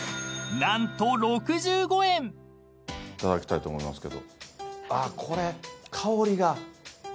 いただきたいと思いますけどあっこれ香りが。